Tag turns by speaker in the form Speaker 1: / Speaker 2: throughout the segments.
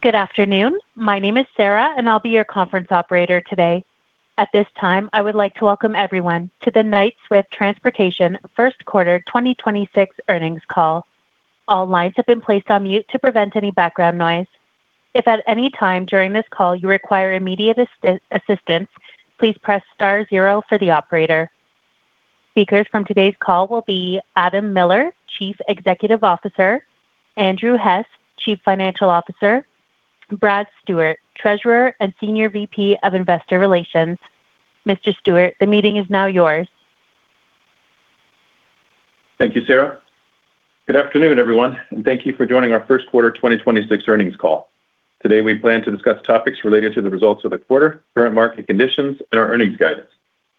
Speaker 1: Good afternoon. My name is Sarah, and I'll be your conference operator today. At this time, I would like to welcome everyone to the Knight-Swift Transportation Q1 2026 earnings call. All lines have been placed on mute to prevent any background noise. If at any time during this call you require immediate assistance, please press star zero for the operator. Speakers from today's call will be Adam Miller, Chief Executive Officer, Andrew Hess, Chief Financial Officer, Brad Stewart, Treasurer and Senior VP of Investor Relations. Mr. Stewart, the meeting is now yours.
Speaker 2: Thank you, Sarah. Good afternoon, everyone, and thank you for joining our Q1 2026 earnings call. Today we plan to discuss topics related to the results of the quarter, current market conditions, and our earnings guidance.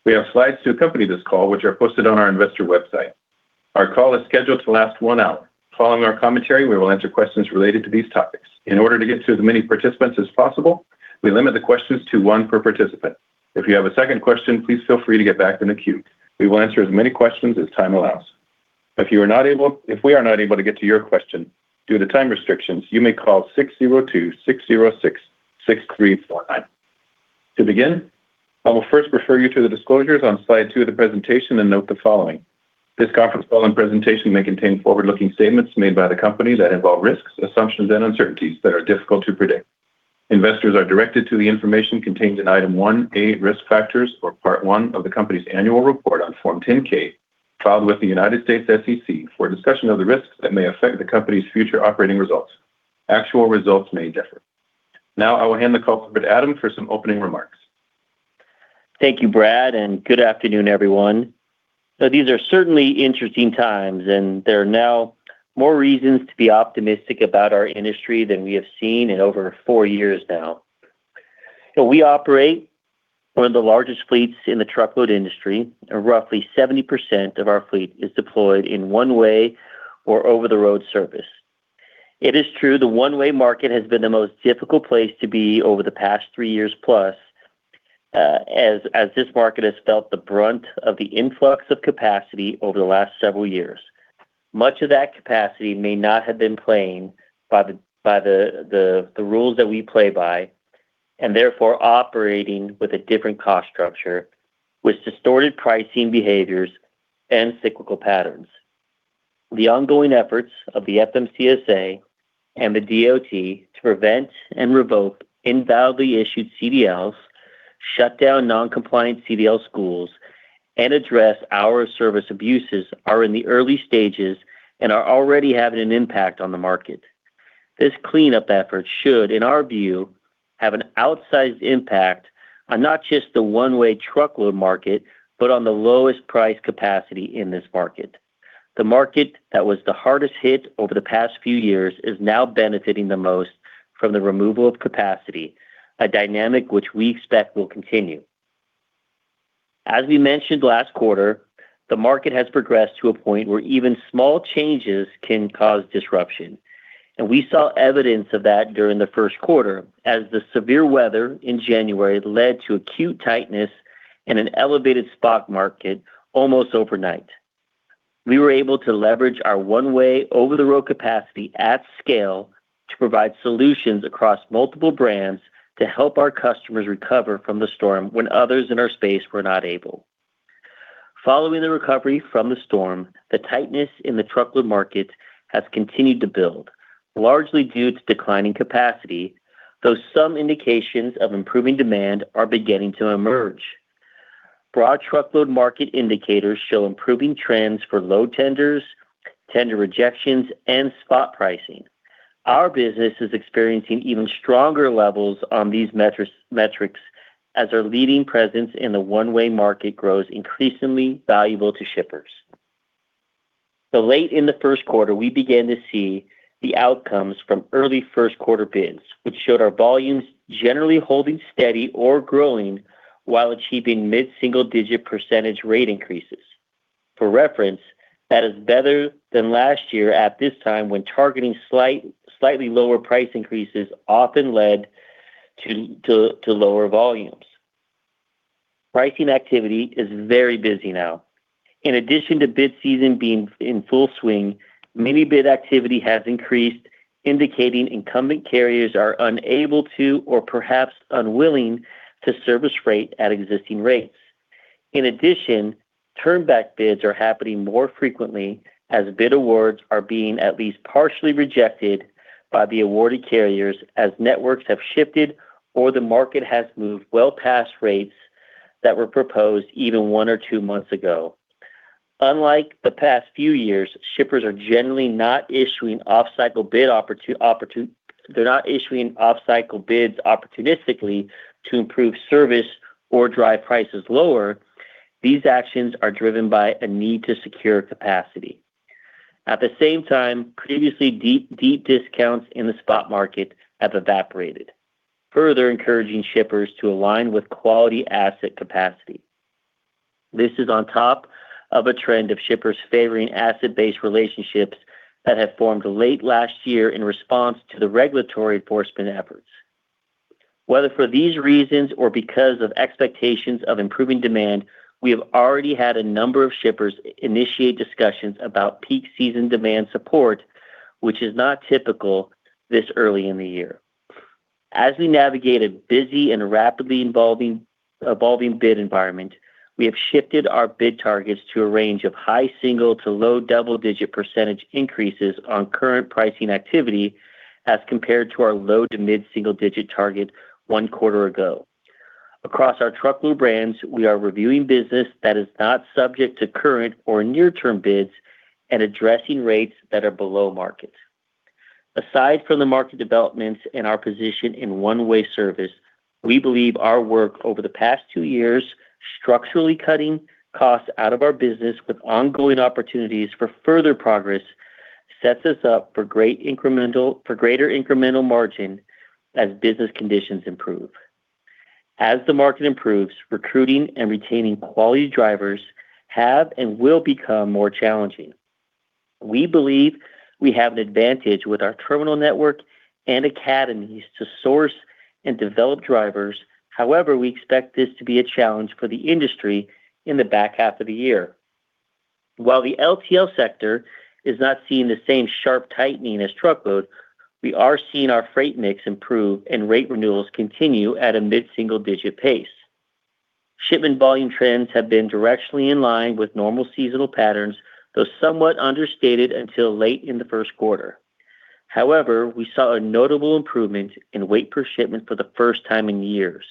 Speaker 2: We have slides to accompany this call, which are posted on our investor website. Our call is scheduled to last one hour. Following our commentary, we will answer questions related to these topics. In order to get to as many participants as possible, we limit the questions to one per participant. If you have a second question, please feel free to get back in the queue. We will answer as many questions as time allows. If we are not able to get to your question due to time restrictions, you may call 602-606-6349. To begin, I will first refer you to the disclosures on slide two of the presentation and note the following. This conference call and presentation may contain forward-looking statements made by the company that involve risks, assumptions, and uncertainties that are difficult to predict. Investors are directed to the information contained in Item 1A, Risk Factors, or Part I of the company's annual report on Form 10-K, filed with the United States SEC for a discussion of the risks that may affect the company's future operating results. Actual results may differ. Now I will hand the call over to Adam for some opening remarks.
Speaker 3: Thank you, Brad, and good afternoon, everyone. These are certainly interesting times, and there are now more reasons to be optimistic about our industry than we have seen in over four years now. We operate one of the largest fleets in the truckload industry, and roughly 70% of our fleet is deployed in one-way or over-the-road service. It is true the one-way market has been the most difficult place to be over the past three years plus, as this market has felt the brunt of the influx of capacity over the last several years. Much of that capacity may not have been playing by the rules that we play by, and therefore operating with a different cost structure with distorted pricing behaviors and cyclical patterns. The ongoing efforts of the FMCSA and the DOT to prevent and revoke invalidly issued CDLs, shut down non-compliant CDL schools, and address our service abuses are in the early stages and are already having an impact on the market. This cleanup effort should, in our view, have an outsized impact on not just the one-way truckload market, but on the lowest priced capacity in this market. The market that was the hardest hit over the past few years is now benefiting the most from the removal of capacity, a dynamic which we expect will continue. As we mentioned last quarter, the market has progressed to a point where even small changes can cause disruption, and we saw evidence of that during the Q1 as the severe weather in January led to acute tightness in an elevated spot market almost overnight. We were able to leverage our one-way over-the-road capacity at scale to provide solutions across multiple brands to help our customers recover from the storm when others in our space were not able. Following the recovery from the storm, the tightness in the truckload market has continued to build, largely due to declining capacity, though some indications of improving demand are beginning to emerge. Broad truckload market indicators show improving trends for load tenders, tender rejections, and spot pricing. Our business is experiencing even stronger levels on these metrics as our leading presence in the one-way market grows increasingly valuable to shippers. Late in the Q1, we began to see the outcomes from early Q1 bids, which showed our volumes generally holding steady or growing while achieving mid-single-digit percentage rate increases. For reference, that is better than last year at this time when targeting slightly lower price increases often led to lower volumes. Pricing activity is very busy now. In addition to bid season being in full swing, mini bid activity has increased, indicating incumbent carriers are unable to or perhaps unwilling to service rate at existing rates. In addition, turn back bids are happening more frequently as bid awards are being at least partially rejected by the awarded carriers as networks have shifted or the market has moved well past rates that were proposed even one or two months ago. Unlike the past few years, shippers are generally not issuing off-cycle bid opportunistically to improve service or drive prices lower. These actions are driven by a need to secure capacity. At the same time, previously deep discounts in the spot market have evaporated, further encouraging shippers to align with quality asset capacity. This is on top of a trend of shippers favoring asset-based relationships that have formed late last year in response to the regulatory enforcement efforts. Whether for these reasons or because of expectations of improving demand, we have already had a number of shippers initiate discussions about peak season demand support, which is not typical this early in the year. As we navigate a busy and rapidly evolving bid environment, we have shifted our bid targets to a range of high single- to low double-digit percentage increases on current pricing activity as compared to our low- to mid-single-digit target one quarter ago. Across our truckload brands, we are reviewing business that is not subject to current or near-term bids and addressing rates that are below market. Aside from the market developments and our position in one-way service, we believe our work over the past two years, structurally cutting costs out of our business with ongoing opportunities for further progress, sets us up for greater incremental margin as business conditions improve. As the market improves, recruiting and retaining quality drivers have and will become more challenging. We believe we have an advantage with our terminal network and academies to source and develop drivers. However, we expect this to be a challenge for the industry in the back half of the year. While the LTL sector is not seeing the same sharp tightening as truckload, we are seeing our freight mix improve and rate renewals continue at a mid-single digit pace. Shipment volume trends have been directionally in line with normal seasonal patterns, though somewhat understated until late in the Q1. However, we saw a notable improvement in weight per shipment for the first time in years,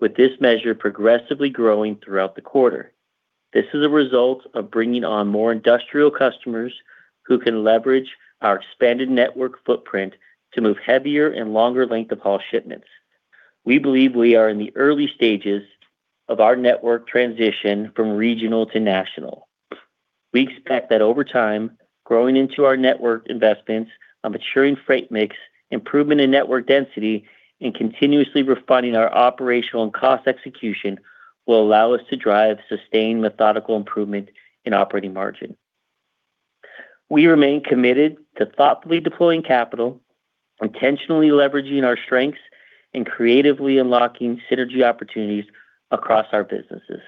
Speaker 3: with this measure progressively growing throughout the quarter. This is a result of bringing on more industrial customers who can leverage our expanded network footprint to move heavier and longer length of haul shipments. We believe we are in the early stages of our network transition from regional to national. We expect that over time, growing into our network investments, a maturing freight mix, improvement in network density, and continuously refining our operational and cost execution will allow us to drive sustained methodical improvement in operating margin. We remain committed to thoughtfully deploying capital, intentionally leveraging our strengths, and creatively unlocking synergy opportunities across our businesses.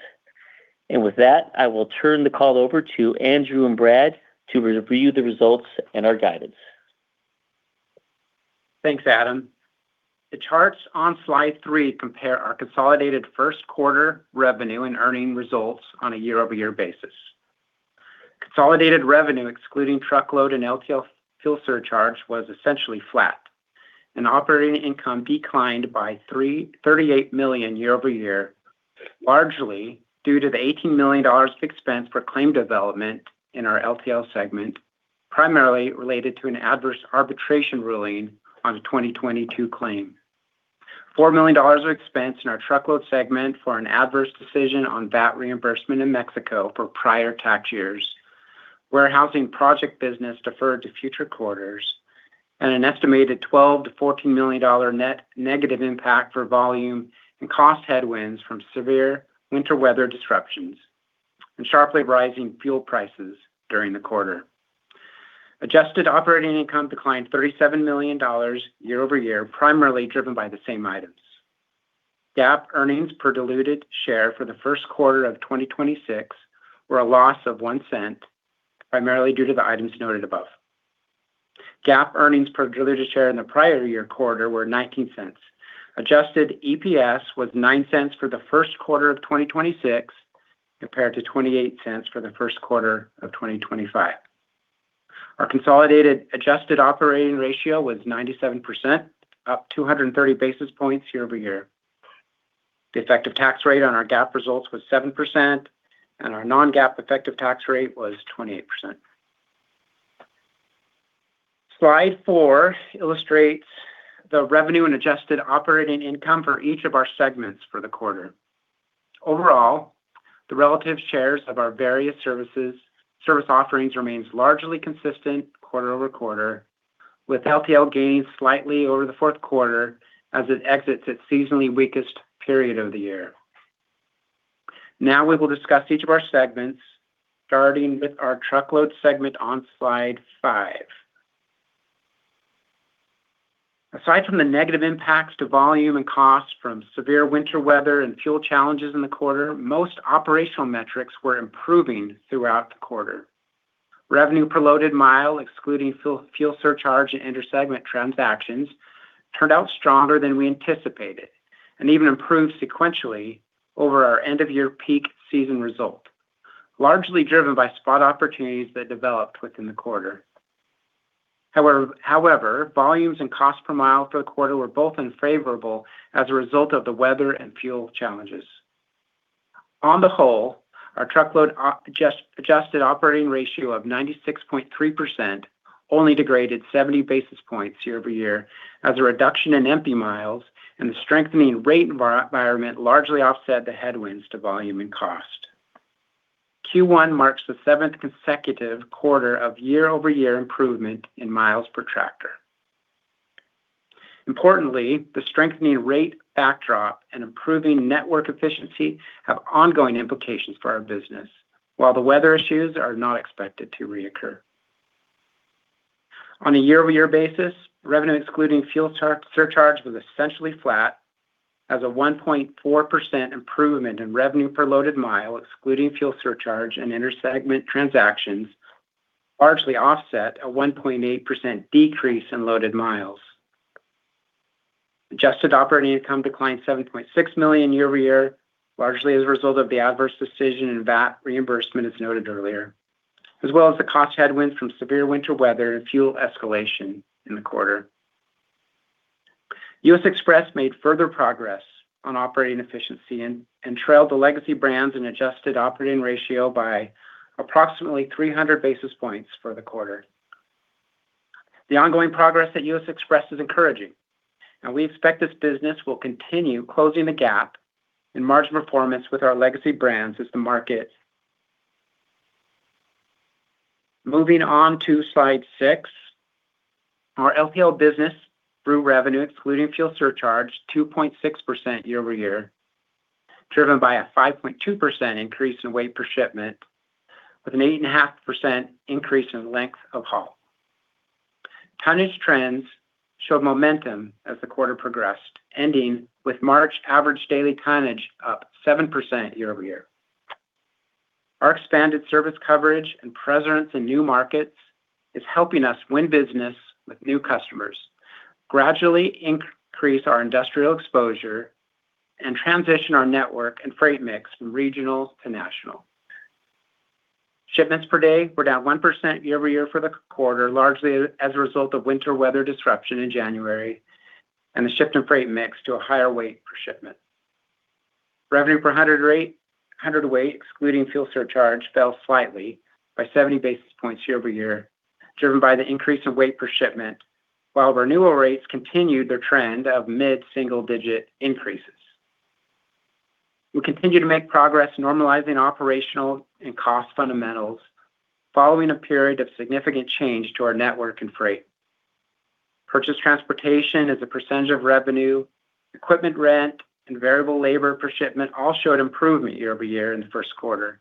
Speaker 3: With that, I will turn the call over to Andrew and Brad to review the results and our guidance.
Speaker 4: Thanks, Adam. The charts on slide three compare our consolidated Q1 revenue and earnings results on a year-over-year basis. Consolidated revenue, excluding truckload and LTL fuel surcharge, was essentially flat, and operating income declined by $38 million year-over-year, largely due to the $18 million of expense for claim development in our LTL segment, primarily related to an adverse arbitration ruling on a 2022 claim, $4 million of expense in our truckload segment for an adverse decision on VAT reimbursement in Mexico for prior tax years, warehousing project business deferred to future quarters, and an estimated $12 million-$14 million net negative impact for volume and cost headwinds from severe winter weather disruptions, and sharply rising fuel prices during the quarter. Adjusted operating income declined $37 million year-over-year, primarily driven by the same items. GAAP earnings per diluted share for the Q1 of 2026 were a loss of $0.01, primarily due to the items noted above. GAAP earnings per diluted share in the prior year quarter were $0.19. Adjusted EPS was $0.09 for the Q1 of 2026, compared to $0.28 for the Q1 of 2025. Our consolidated adjusted operating ratio was 97%, up 230 basis points year-over-year. The effective tax rate on our GAAP results was 7%, and our non-GAAP effective tax rate was 28%. Slide four illustrates the revenue and adjusted operating income for each of our segments for the quarter. Overall, the relative shares of our various service offerings remains largely consistent quarter-over-quarter, with LTL gains slightly over the Q4 as it exits its seasonally weakest period of the year. Now we will discuss each of our segments, starting with our truckload segment on slide five. Aside from the negative impacts to volume and cost from severe winter weather and fuel challenges in the quarter, most operational metrics were improving throughout the quarter. Revenue per loaded mile, excluding fuel surcharge and inter-segment transactions, turned out stronger than we anticipated and even improved sequentially over our end-of-year peak season result, largely driven by spot opportunities that developed within the quarter. However, volumes and cost per mile for the quarter were both unfavorable as a result of the weather and fuel challenges. On the whole, our truckload adjusted operating ratio of 96.3% only degraded 70 basis points year-over-year as a reduction in empty miles and the strengthening rate environment largely offset the headwinds to volume and cost. Q1 marks the seventh consecutive quarter of year-over-year improvement in miles per tractor. Importantly, the strengthening rate backdrop and improving network efficiency have ongoing implications for our business while the weather issues are not expected to reoccur. On a year-over-year basis, revenue excluding fuel surcharge was essentially flat as a 1.4% improvement in revenue per loaded mile, excluding fuel surcharge and inter-segment transactions, largely offset a 1.8% decrease in loaded miles. Adjusted operating income declined $7.6 million year-over-year, largely as a result of the adverse decision in VAT reimbursement, as noted earlier, as well as the cost headwinds from severe winter weather and fuel escalation in the quarter. U.S. Xpress made further progress on operating efficiency and trailed the legacy brands in adjusted operating ratio by approximately 300 basis points for the quarter. The ongoing progress at U.S. Xpress is encouraging, and we expect this business will continue closing the gap in margin performance with our legacy brands as the market. Moving on to slide six. Our LTL business grew revenue, excluding fuel surcharge, 2.6% year-over-year, driven by a 5.2% increase in weight per shipment with an 8.5% increase in length of haul. Tonnage trends showed momentum as the quarter progressed, ending with March average daily tonnage up 7% year-over-year. Our expanded service coverage and presence in new markets is helping us win business with new customers, gradually increase our industrial exposure, and transition our network and freight mix from regional to national. Shipments per day were down 1% year-over-year for the quarter, largely as a result of winter weather disruption in January, and the shift in freight mix to a higher weight per shipment. Revenue per hundredweight, excluding fuel surcharge, fell slightly by 70 basis points year-over-year, driven by the increase in weight per shipment, while renewal rates continued their trend of mid-single-digit increases. We continue to make progress normalizing operational and cost fundamentals following a period of significant change to our network and freight. Purchased transportation as a percentage of revenue, equipment rent, and variable labor per shipment all showed improvement year-over-year in the Q1.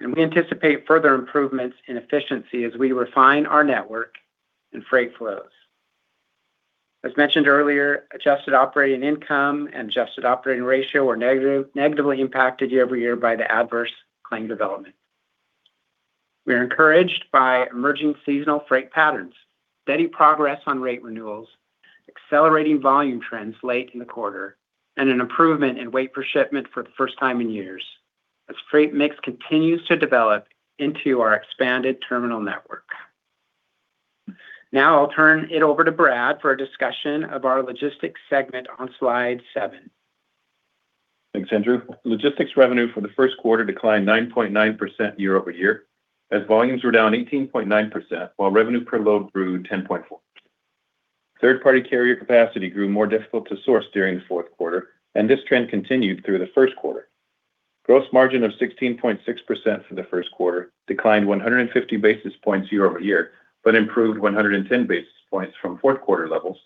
Speaker 4: We anticipate further improvements in efficiency as we refine our network and freight flows. As mentioned earlier, adjusted operating income and adjusted operating ratio were negatively impacted year-over-year by the adverse claim development. We are encouraged by emerging seasonal freight patterns, steady progress on rate renewals, accelerating volume trends late in the quarter, and an improvement in weight per shipment for the first time in years as freight mix continues to develop into our expanded terminal network. Now I'll turn it over to Brad for a discussion of our Logistics segment on slide seven.
Speaker 2: Thanks, Andrew. Logistics revenue for the Q1 declined 9.9% year-over-year, as volumes were down 18.9%, while revenue per load grew 10.4%. Third-party carrier capacity grew more difficult to source during the Q4, and this trend continued through the Q1. Gross margin of 16.6% for the Q1 declined 150 basis points year-over-year, but improved 110 basis points from Q4 levels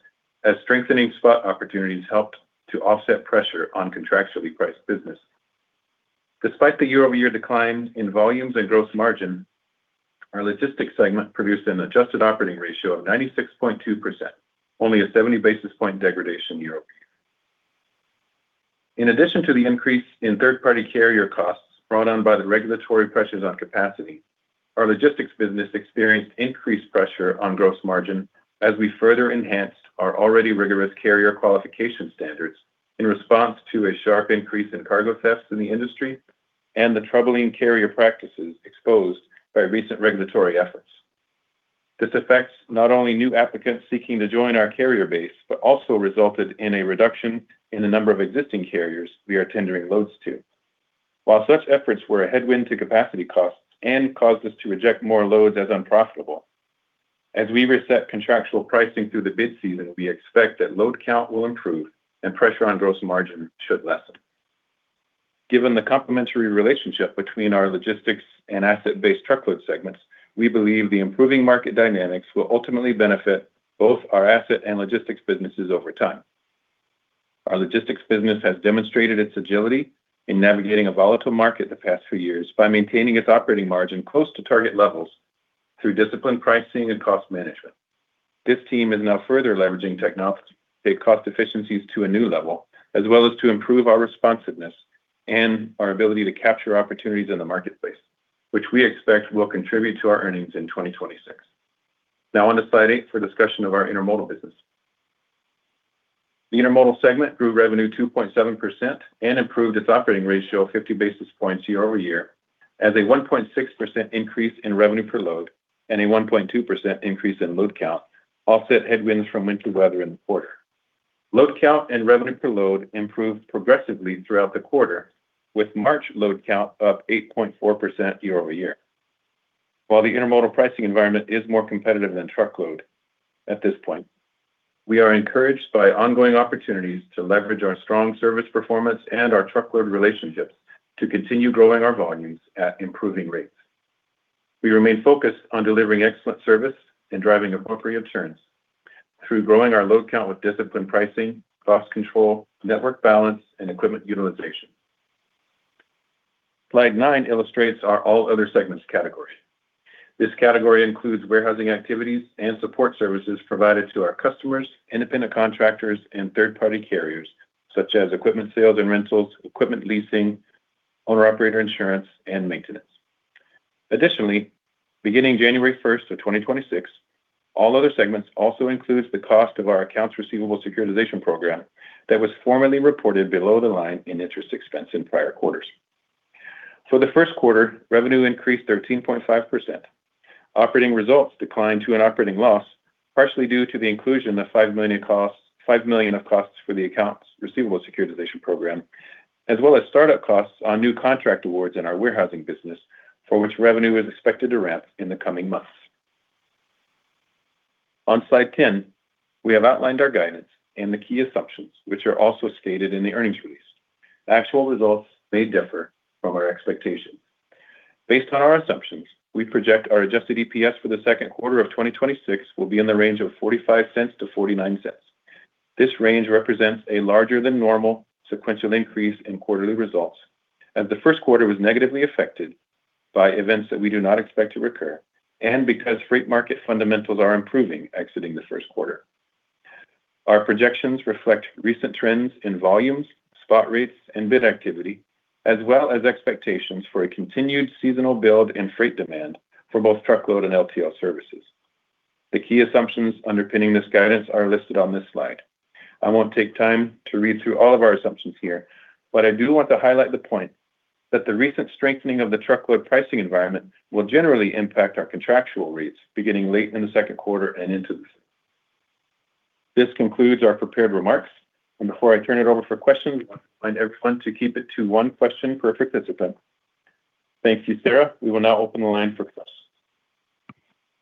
Speaker 2: as strengthening spot opportunities helped to offset pressure on contractually priced business. Despite the year-over-year decline in volumes and gross margin, our Logistics segment produced an adjusted operating ratio of 96.2%, only a 70 basis point degradation year-over-year. In addition to the increase in third-party carrier costs brought on by the regulatory pressures on capacity, our Logistics business experienced increased pressure on gross margin as we further enhanced our already rigorous carrier qualification standards in response to a sharp increase in cargo theft in the industry and the troubling carrier practices exposed by recent regulatory efforts. This affects not only new applicants seeking to join our carrier base, but also resulted in a reduction in the number of existing carriers we are tendering loads to. While such efforts were a headwind to capacity costs and caused us to reject more loads as unprofitable, as we reset contractual pricing through the bid season, we expect that load count will improve and pressure on gross margin should lessen. Given the complementary relationship between our Logistics and Asset-Based Truckload segments, we believe the improving market dynamics will ultimately benefit both our asset and Logistics businesses over time. Our Logistics business has demonstrated its agility in navigating a volatile market the past few years by maintaining its operating margin close to target levels through disciplined pricing and cost management. This team is now further leveraging technology to take cost efficiencies to a new level, as well as to improve our responsiveness and our ability to capture opportunities in the marketplace, which we expect will contribute to our earnings in 2026. Now on to slide eight for discussion of our Intermodal business. The Intermodal segment grew revenue 2.7% and improved its operating ratio 50 basis points year-over-year as a 1.6% increase in revenue per load and a 1.2% increase in load count offset headwinds from winter weather in the quarter. Load count and revenue per load improved progressively throughout the quarter, with March load count up 8.4% year-over-year. While the intermodal pricing environment is more competitive than truckload at this point, we are encouraged by ongoing opportunities to leverage our strong service performance and our truckload relationships to continue growing our volumes at improving rates. We remain focused on delivering excellent service and driving appropriate returns through growing our load count with disciplined pricing, cost control, network balance, and equipment utilization. Slide nine illustrates our all other segments category. This category includes warehousing activities and support services provided to our customers, independent contractors, and third-party carriers, such as equipment sales and rentals, equipment leasing, owner-operator insurance, and maintenance. Additionally, beginning January 1st of 2026, all other segments also includes the cost of our accounts receivable securitization program that was formerly reported below the line in interest expense in prior quarters. For the Q1, revenue increased 13.5%. Operating results declined to an operating loss, partially due to the inclusion of $5 million of costs for the accounts receivable securitization program, as well as startup costs on new contract awards in our warehousing business, for which revenue is expected to ramp in the coming months. On slide 10, we have outlined our guidance and the key assumptions, which are also stated in the earnings release. Actual results may differ from our expectations. Based on our assumptions, we project our adjusted EPS for the Q2 of 2026 will be in the range of $0.45-$0.49. This range represents a larger than normal sequential increase in quarterly results as the Q1 was negatively affected by events that we do not expect to recur, and because freight market fundamentals are improving exiting the Q1. Our projections reflect recent trends in volumes, spot rates, and bid activity, as well as expectations for a continued seasonal build in freight demand for both truckload and LTL services. The key assumptions underpinning this guidance are listed on this slide. I won't take time to read through all of our assumptions here, but I do want to highlight the point that the recent strengthening of the truckload pricing environment will generally impact our contractual rates beginning late in the Q2 and into the third. This concludes our prepared remarks, and before I turn it over for questions, we want to remind everyone to keep it to one question per participant. Thank you, Sarah. We will now open the line for questions.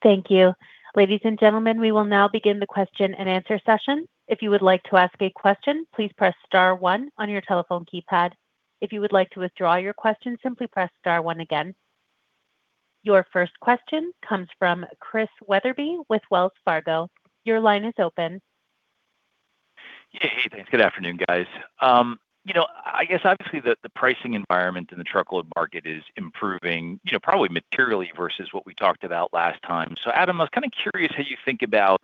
Speaker 1: Thank you. Ladies and gentlemen, we will now begin the question and answer session. If you would like to ask a question, please press star one on your telephone keypad. If you would like to withdraw your question, simply press star one again. Your first question comes from Chris Wetherbee with Wells Fargo. Your line is open.
Speaker 5: Yeah. Hey, thanks. Good afternoon, guys. I guess obviously the pricing environment in the truckload market is improving probably materially versus what we talked about last time. Adam, I was kind of curious how you think about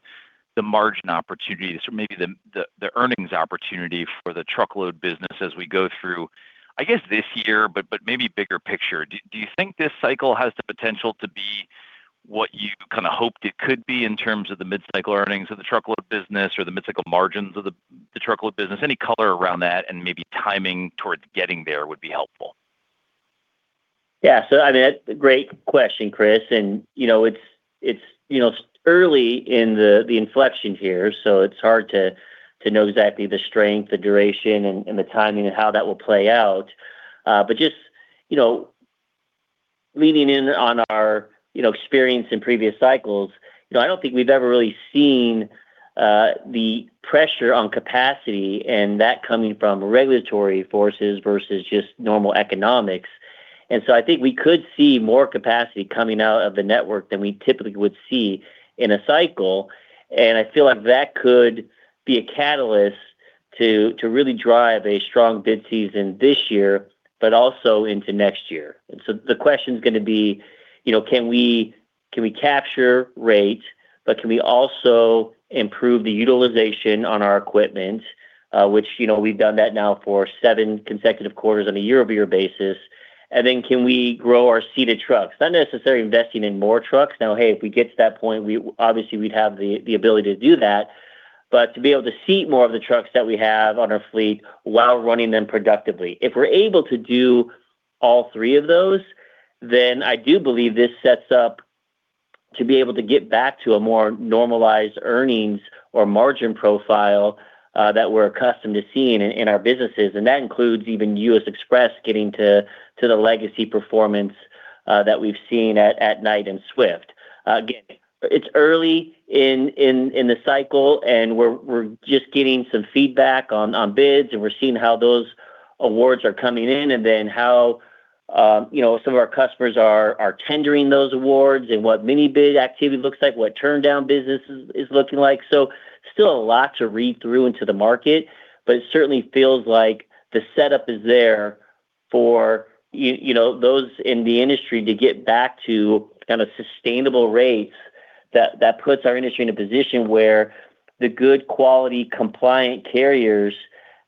Speaker 5: the margin opportunities or maybe the earnings opportunity for the truckload business as we go through, I guess this year, but maybe bigger picture. Do you think this cycle has the potential to be what you kind of hoped it could be in terms of the mid-cycle earnings of the truckload business or the mid-cycle margins of the truckload business? Any color around that and maybe timing towards getting there would be helpful.
Speaker 3: Yeah. I mean, great question, Chris. It's early in the inflection here, so it's hard to know exactly the strength, the duration, and the timing of how that will play out. Just leaning in on our experience in previous cycles, I don't think we've ever really seen the pressure on capacity and that coming from regulatory forces versus just normal economics. I think we could see more capacity coming out of the network than we typically would see in a cycle, and I feel like that could be a catalyst to really drive a strong bid season this year, but also into next year. The question is going to be, can we capture rate, but can we also improve the utilization on our equipment? Which we've done that now for seven consecutive quarters on a year-over-year basis. Can we grow our seated trucks? Not necessarily investing in more trucks. Now, hey, if we get to that point, obviously we'd have the ability to do that. To be able to seat more of the trucks that we have on our fleet while running them productively. If we're able to do all three of those, I do believe this sets up to be able to get back to a more normalized earnings or margin profile that we're accustomed to seeing in our businesses. That includes even U.S. Xpress getting to the legacy performance that we've seen at Knight and Swift. Again, it's early in the cycle, and we're just getting some feedback on bids, and we're seeing how those awards are coming in, and then how some of our customers are tendering those awards and what mini bid activity looks like, what turn down business is looking like. Still a lot to read through into the market, but it certainly feels like the setup is there for those in the industry to get back to kind of sustainable rates that puts our industry in a position where the good quality compliant carriers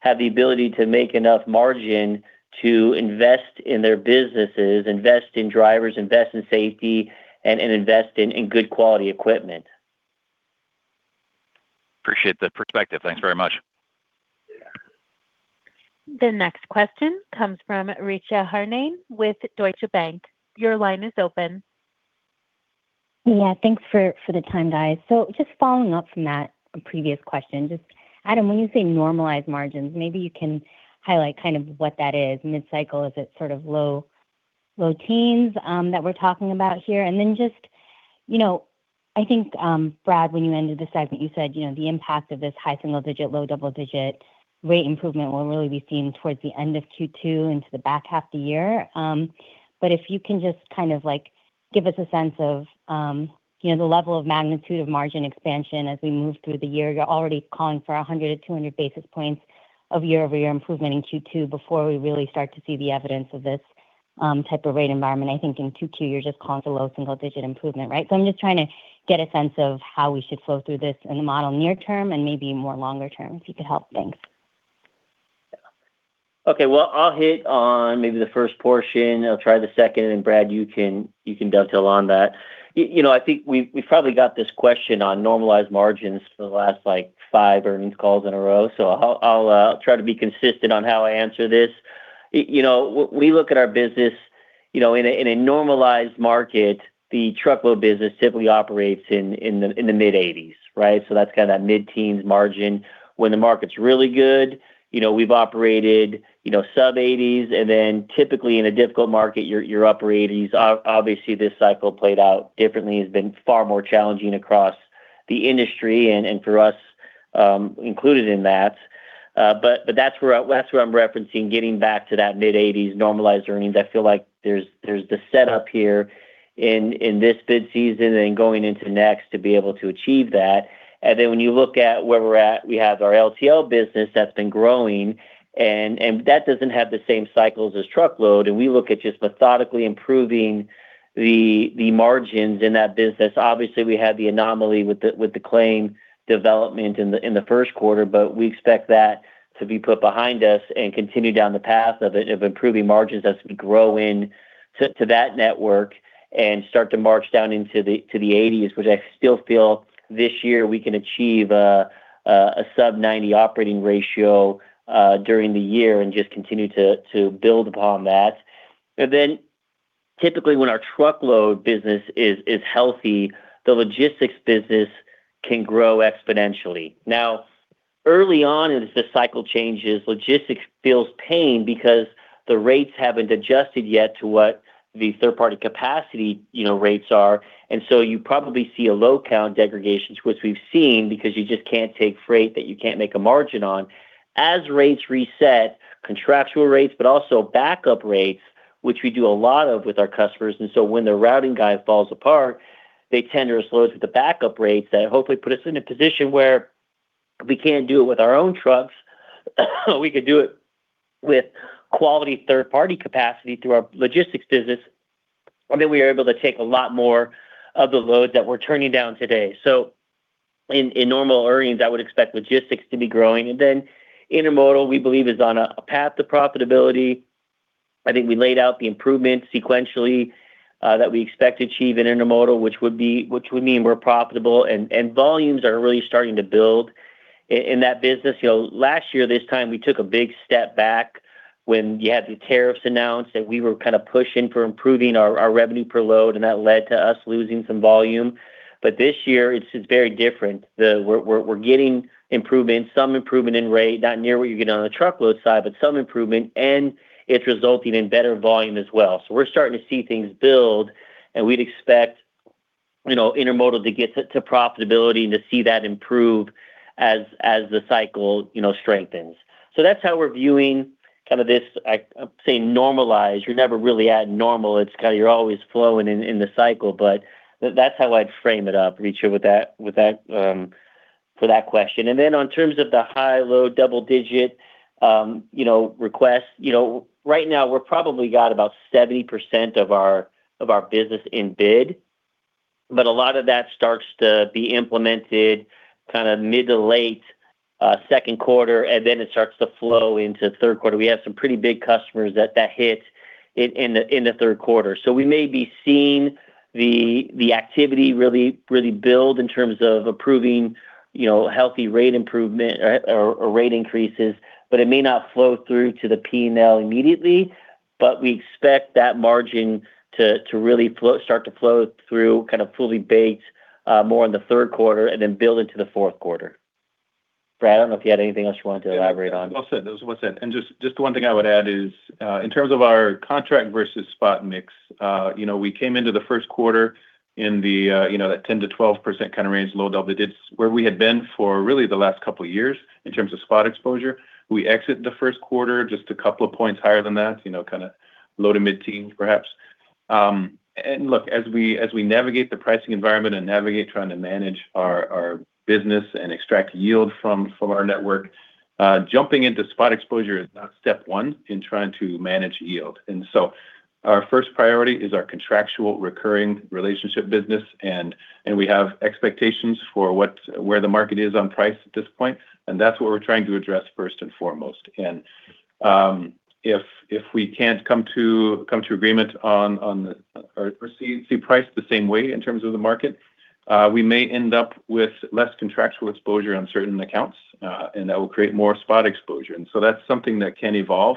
Speaker 3: have the ability to make enough margin to invest in their businesses, invest in drivers, invest in safety, and invest in good quality equipment.
Speaker 5: Appreciate the perspective. Thanks very much.
Speaker 1: The next question comes from Richa Harnain with Deutsche Bank. Your line is open.
Speaker 6: Yeah. Thanks for the time, guys. Just following up from that previous question. Just Adam, when you say normalized margins, maybe you can highlight kind of what that is. Mid cycle, is it sort of low teens that we're talking about here? Just, I think, Brad, when you ended the segment, you said the impact of this high single digit, low double digit rate improvement will really be seen towards the end of Q2 into the back half of the year. If you can just give us a sense of the level of magnitude of margin expansion as we move through the year. You're already calling for 100-200 basis points of year-over-year improvement in Q2 before we really start to see the evidence of this type of rate environment. I think in Q2, you're just calling for low single-digit improvement. Right? I'm just trying to get a sense of how we should flow through this in the model near term and maybe more longer term. If you could help. Thanks.
Speaker 3: Okay. Well, I'll hit on maybe the first portion. I'll try the second, and Brad, you can dovetail on that. I think we've probably got this question on normalized margins for the last five earnings calls in a row. I'll try to be consistent on how I answer this. We look at our business in a normalized market, the truckload business typically operates in the mid-80s. Right? That's that mid-teens margin. When the market's really good, we've operated sub-80s, and then typically in a difficult market, your upper 80s. Obviously, this cycle played out differently, has been far more challenging across the industry and for us included in that. That's where I'm referencing getting back to that mid-80s normalized earnings. I feel like there's the setup here in this bid season and going into next to be able to achieve that. Then when you look at where we're at, we have our LTL business that's been growing, and that doesn't have the same cycles as truckload, and we look at just methodically improving the margins in that business. Obviously, we had the anomaly with the claim development in the Q1, but we expect that to be put behind us and continue down the path of improving margins as we grow into that network and start to march down into the 80s, which I still feel this year we can achieve a sub-90 operating ratio during the year and just continue to build upon that. Then typically when our truckload business is healthy, the logistics business can grow exponentially. Now, early on as this cycle changes, logistics feels pain because the rates haven't adjusted yet to what the third-party capacity rates are. You probably see a load count degradations, which we've seen because you just can't take freight that you can't make a margin on. As rates reset, contractual rates, but also backup rates, which we do a lot of with our customers, and so when the routing guide falls apart, they tender us loads with the backup rates that hopefully put us in a position where if we can't do it with our own trucks, we can do it with quality third-party capacity through our logistics business, and then we are able to take a lot more of the load that we're turning down today. In normal earnings, I would expect logistics to be growing. Intermodal, we believe, is on a path to profitability. I think we laid out the improvements sequentially that we expect to achieve in intermodal, which would mean we're profitable, and volumes are really starting to build in that business. Last year this time, we took a big step back when you had the tariffs announced, and we were kind of pushing for improving our revenue per load, and that led to us losing some volume. This year, it's very different. We're getting improvement, some improvement in rate, not near what you're getting on the truckload side, but some improvement, and it's resulting in better volume as well. We're starting to see things build, and we'd expect intermodal to get to profitability and to see that improve as the cycle strengthens. That's how we're viewing this, I say normalized. You're never really at normal. You're always flowing in the cycle, but that's how I'd frame it up, Richa, for that question. Then in terms of the high-low double-digit requests, right now we're probably got about 70% of our business in bid. A lot of that starts to be implemented mid to late Q2, and then it starts to flow into Q3. We have some pretty big customers that hits in the Q3. We may be seeing the activity really build in terms of approving healthy rate improvement or rate increases, but it may not flow through to the P&L immediately. We expect that margin to really start to flow through kind of fully baked more in the Q3 and then build into the Q4. Brad, I don't know if you had anything else you wanted to elaborate on.
Speaker 2: Well said. That was well said. Just one thing I would add is, in terms of our contract versus spot mix, we came into the Q1 in that 10%-12% kind of range, low double digits, where we had been for really the last couple of years in terms of spot exposure. We exit the Q1 just a couple of points higher than that, low to mid-teens perhaps. Look, as we navigate the pricing environment and navigate trying to manage our business and extract yield from our network, jumping into spot exposure is not step one in trying to manage yield. Our first priority is our contractual recurring relationship business, and we have expectations for where the market is on price at this point, and that's what we're trying to address first and foremost. If we can't come to agreement or see price the same way in terms of the market, we may end up with less contractual exposure on certain accounts, and that will create more spot exposure. That's something that can evolve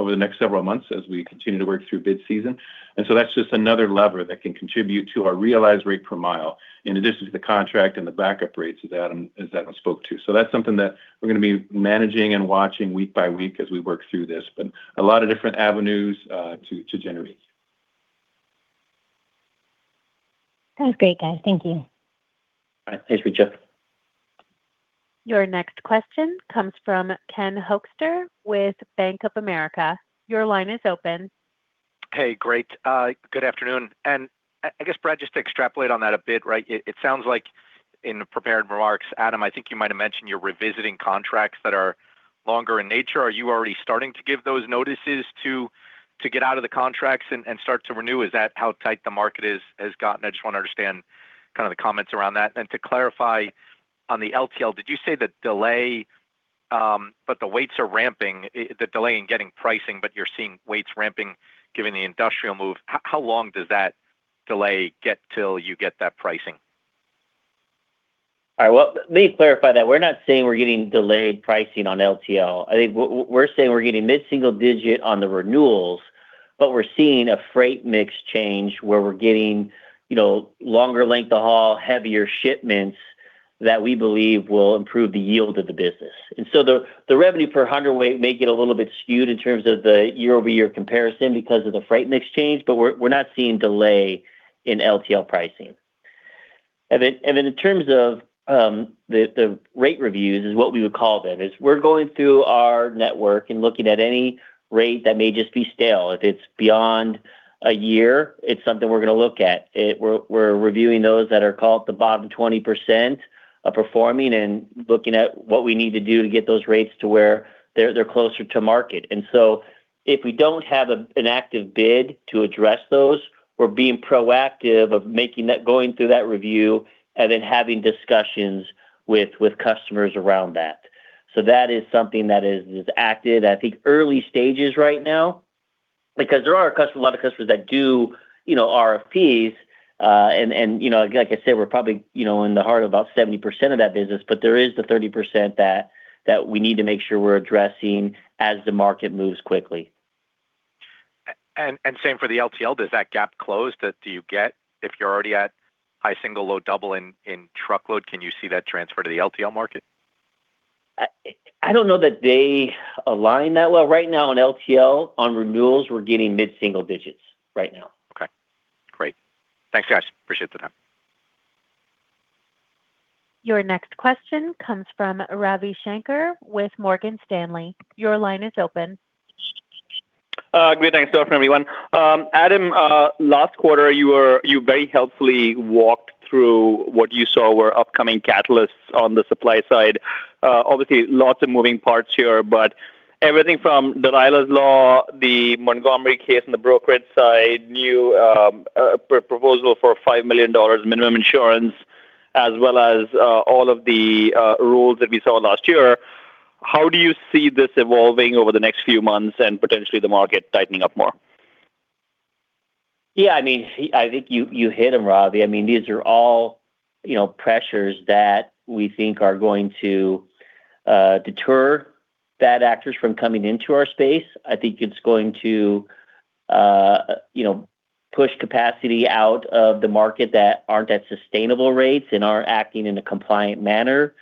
Speaker 2: over the next several months as we continue to work through bid season. That's just another lever that can contribute to our realized rate per mile in addition to the contract and the backup rates as Adam spoke to. That's something that we're going to be managing and watching week by week as we work through this, but a lot of different avenues to generate.
Speaker 6: That was great, guys. Thank you.
Speaker 3: All right. Thanks, Richa.
Speaker 1: Your next question comes from Ken Hoexter with Bank of America. Your line is open.
Speaker 7: Hey, great. Good afternoon. I guess, Brad, just to extrapolate on that a bit, right? It sounds like in the prepared remarks, Adam, I think you might have mentioned you're revisiting contracts that are longer in nature. Are you already starting to give those notices to get out of the contracts and start to renew? Is that how tight the market has gotten? I just want to understand the comments around that. To clarify on the LTL, did you say the delay, but the weights are ramping, the delay in getting pricing, but you're seeing weights ramping given the industrial move? How long does that delay last till you get that pricing?
Speaker 3: All right. Well, let me clarify that. We're not saying we're getting delayed pricing on LTL. I think what we're saying, we're getting mid-single digit on the renewals, but we're seeing a freight mix change where we're getting longer length of haul, heavier shipments that we believe will improve the yield of the business. The revenue per hundredweight may get a little bit skewed in terms of the year-over-year comparison because of the freight mix change, but we're not seeing delay in LTL pricing. In terms of the rate reviews is what we would call them, is we're going through our network and looking at any rate that may just be stale. If it's beyond a year, it's something we're going to look at. We're reviewing those that are called the bottom 20% of performing and looking at what we need to do to get those rates to where they're closer to market. If we don't have an active bid to address those, we're being proactive of going through that review and then having discussions with customers around that. That is something that is active at the early stages right now, because there are a lot of customers that do RFPs, and like I said, we're probably in the heart of about 70% of that business, but there is the 30% that we need to make sure we're addressing as the market moves quickly.
Speaker 7: Same for the LTL, does that gap close that you get if you're already at high single, low double in truckload? Can you see that transfer to the LTL market?
Speaker 3: I don't know that they align that well. Right now in LTL, on renewals, we're getting mid-single digits right now.
Speaker 7: Okay, great. Thanks, guys. Appreciate the time.
Speaker 1: Your next question comes from Ravi Shanker with Morgan Stanley. Your line is open.
Speaker 8: Good day. Thanks to everyone. Adam, last quarter you very helpfully walked through what you saw were upcoming catalysts on the supply side. Obviously lots of moving parts here, but everything from Dalilah's Law, the Montgomery case on the brokerage side, new proposal for $5 million minimum insurance, as well as all of the rules that we saw last year, how do you see this evolving over the next few months and potentially the market tightening up more?
Speaker 3: Yeah, I think you hit them, Ravi. These are all pressures that we think are going to deter bad actors from coming into our space. I think it's going to push capacity out of the market that aren't at sustainable rates and aren't acting in a compliant manner.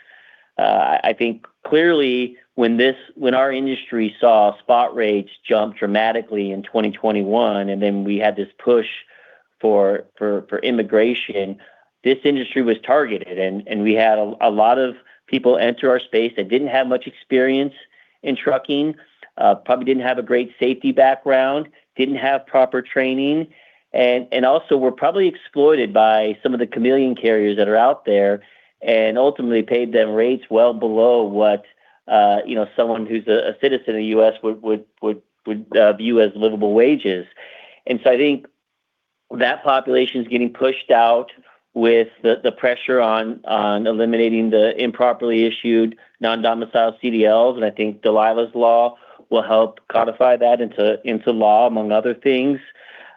Speaker 3: I think clearly when our industry saw spot rates jump dramatically in 2021, and then we had this push for immigration, this industry was targeted, and we had a lot of people enter our space that didn't have much experience in trucking, probably didn't have a great safety background, didn't have proper training, and also were probably exploited by some of the chameleon carriers that are out there and ultimately paid them rates well below what someone who's a citizen of the U.S. would view as livable wages. I think that population is getting pushed out with the pressure on eliminating the improperly issued non-domiciled CDLs, and I think Dalilah's Law will help codify that into law, among other things.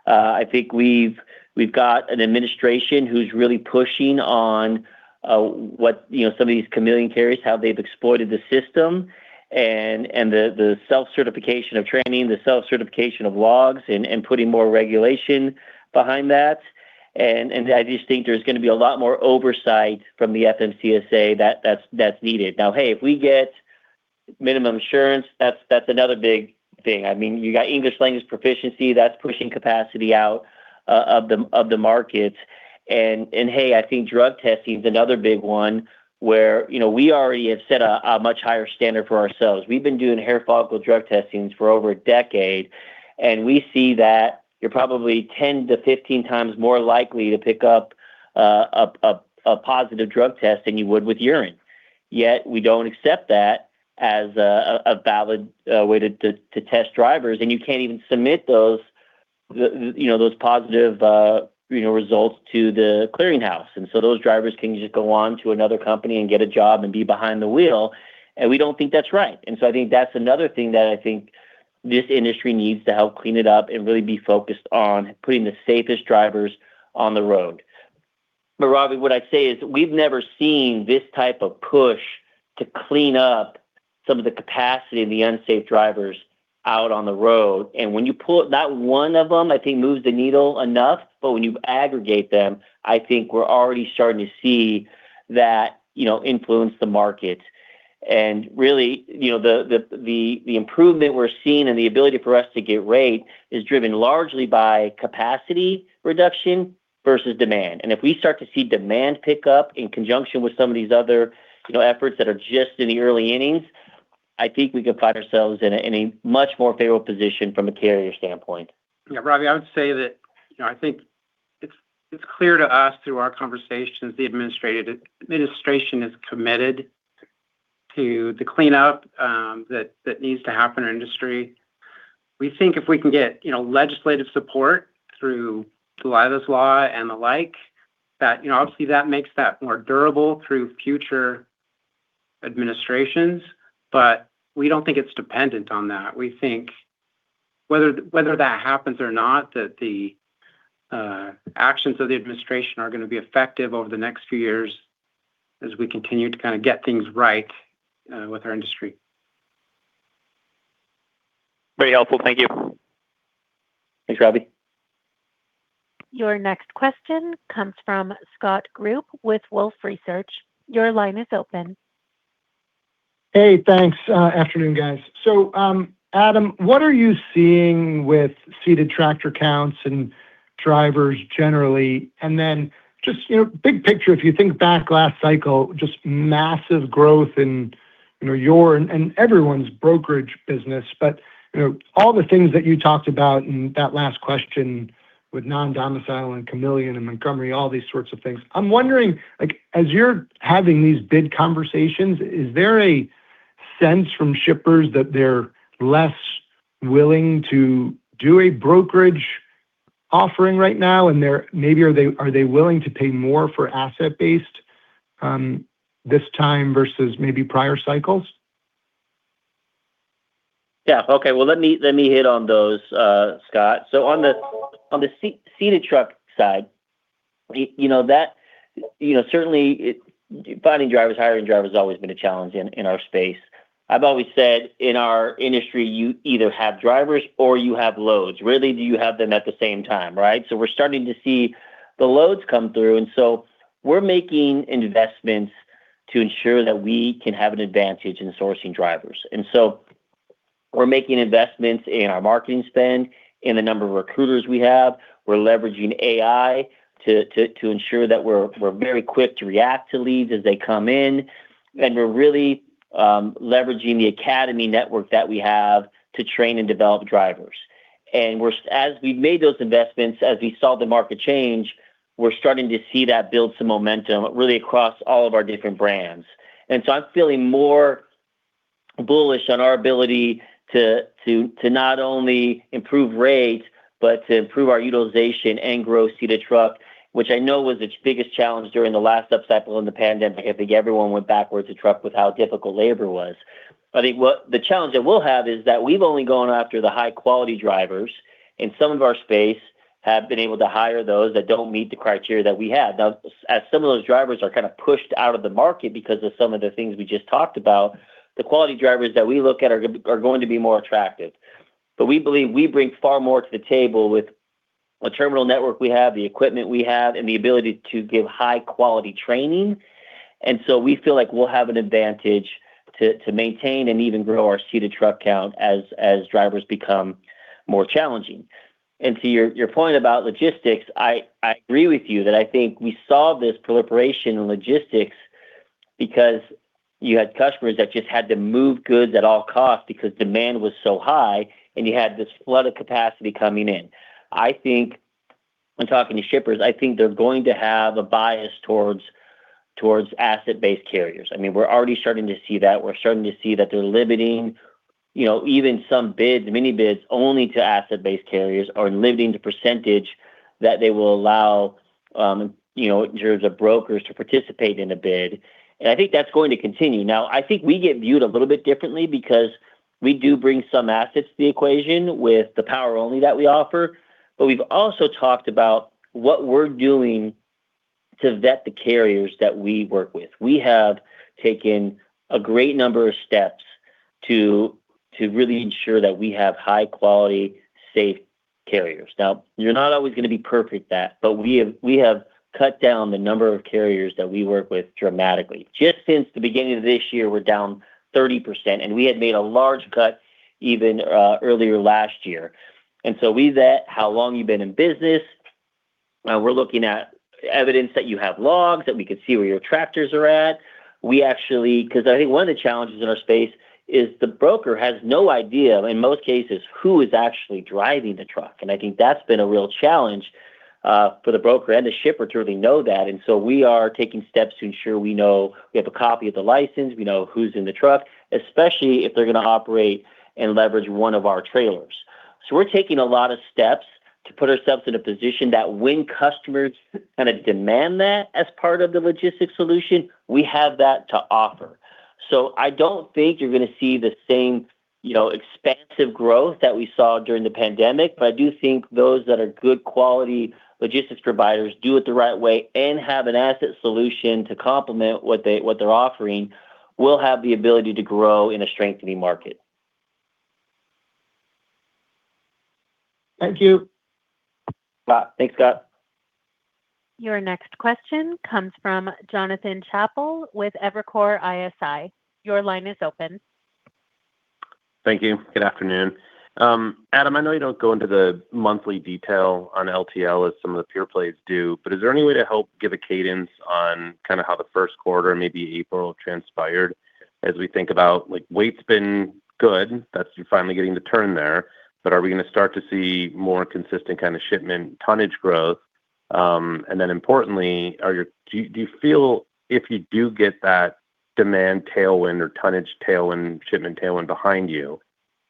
Speaker 3: I think we've got an administration who's really pushing on what some of these chameleon carriers, how they've exploited the system and the self-certification of training, the self-certification of logs and putting more regulation behind that. I just think there's going to be a lot more oversight from the FMCSA that's needed. Now, hey, if we get minimum insurance, that's another big thing. You got English language proficiency that's pushing capacity out of the markets. Hey, I think drug testing is another big one where we already have set a much higher standard for ourselves. We've been doing hair follicle drug testings for over a decade, and we see that you're probably 10-15 times more likely to pick up a positive drug test than you would with urine. Yet we don't accept that as a valid way to test drivers, and you can't even submit those positive results to the clearing house. Those drivers can just go on to another company and get a job and be behind the wheel, and we don't think that's right. I think that's another thing that I think this industry needs to help clean it up and really be focused on putting the safest drivers on the road. Ravi, what I'd say is we've never seen this type of push to clean up some of the capacity of the unsafe drivers out on the road. When you pull, not one of them, I think, moves the needle enough, but when you aggregate them, I think we're already starting to see that influence the market. Really, the improvement we're seeing and the ability for us to get rate is driven largely by capacity reduction versus demand. If we start to see demand pick up in conjunction with some of these other efforts that are just in the early innings, I think we could find ourselves in a much more favorable position from a carrier standpoint.
Speaker 4: Yeah, Ravi, I would say that, I think it's clear to us through our conversations, the administration is committed to the cleanup that needs to happen in our industry. We think if we can get legislative support through Dalilah's Law and the like, that obviously that makes that more durable through future administrations, but we don't think it's dependent on that. We think whether that happens or not, that the actions of the administration are going to be effective over the next few years as we continue to kind of get things right with our industry.
Speaker 8: Very helpful. Thank you.
Speaker 2: Thanks, Ravi.
Speaker 1: Your next question comes from Scott Group with Wolfe Research. Your line is open.
Speaker 9: Hey, thanks. Afternoon, guys. Adam, what are you seeing with seated tractor counts and drivers generally, and then just big picture, if you think back last cycle, just massive growth in your and everyone's brokerage business. All the things that you talked about in that last question with non-domicile and Chameleon and Montgomery, all these sorts of things. I'm wondering, as you're having these bid conversations, is there a sense from shippers that they're less willing to do a brokerage offering right now, and maybe are they willing to pay more for asset-based this time versus maybe prior cycles?
Speaker 3: Well, let me hit on those, Scott. On the seated truck side, certainly finding drivers, hiring drivers has always been a challenge in our space. I've always said in our industry, you either have drivers or you have loads. Rarely do you have them at the same time, right? We're starting to see the loads come through, and so we're making investments to ensure that we can have an advantage in sourcing drivers. We're making investments in our marketing spend, in the number of recruiters we have. We're leveraging AI to ensure that we're very quick to react to leads as they come in, and we're really leveraging the academy network that we have to train and develop drivers. As we've made those investments, as we saw the market change, we're starting to see that build some momentum really across all of our different brands. I'm feeling more bullish on our ability to not only improve rates, but to improve our utilization and grow seated truck, which I know was its biggest challenge during the last up cycle in the pandemic. I think everyone went backwards to truck with how difficult labor was. I think the challenge that we'll have is that we've only gone after the high-quality drivers, and some of our space have been able to hire those that don't meet the criteria that we had. Now, as some of those drivers are kind of pushed out of the market because of some of the things we just talked about, the quality drivers that we look at are going to be more attractive. We believe we bring far more to the table with the terminal network we have, the equipment we have, and the ability to give high-quality training. We feel like we'll have an advantage to maintain and even grow our seated truck count as drivers become more challenging. To your point about logistics, I agree with you that I think we saw this proliferation in logistics because you had customers that just had to move goods at all costs because demand was so high, and you had this flood of capacity coming in. I think when talking to shippers, I think they're going to have a bias towards asset-based carriers. We're already starting to see that. We're starting to see that they're limiting even some bids, many bids only to asset-based carriers or limiting the percentage that they will allow in terms of brokers to participate in a bid. I think that's going to continue. Now, I think we get viewed a little bit differently because we do bring some assets to the equation with the power only that we offer. We've also talked about what we're doing to vet the carriers that we work with. We have taken a great number of steps to really ensure that we have high-quality, safe carriers. Now, you're not always going to be perfect at that, but we have cut down the number of carriers that we work with dramatically. Just since the beginning of this year, we're down 30%, and we had made a large cut even earlier last year. We vet how long you've been in business. We're looking at evidence that you have logs, that we can see where your tractors are at. Because I think one of the challenges in our space is the broker has no idea, in most cases, who is actually driving the truck, and I think that's been a real challenge for the broker and the shipper to really know that. We are taking steps to ensure we know. We have a copy of the license. We know who's in the truck, especially if they're going to operate and leverage one of our trailers. We're taking a lot of steps to put ourselves in a position that when customers demand that as part of the logistics solution, we have that to offer. I don't think you're going to see the same expansive growth that we saw during the pandemic, but I do think those that are good quality logistics providers do it the right way and have an asset solution to complement what they're offering will have the ability to grow in a strengthening market.
Speaker 9: Thank you.
Speaker 3: Thanks, Scott.
Speaker 1: Your next question comes from Jonathan Chappell with Evercore ISI. Your line is open.
Speaker 10: Thank you. Good afternoon. Adam, I know you don't go into the monthly detail on LTL as some of the pure plays do, but is there any way to help give a cadence on how the Q1, maybe April, transpired as we think about freight's been good. That's finally getting the turn there, but are we going to start to see more consistent kind of shipment tonnage growth? Then importantly, do you feel if you do get that demand tailwind or tonnage tailwind, shipment tailwind behind you,